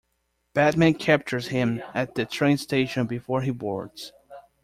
Batman captures him at the train station before he boards.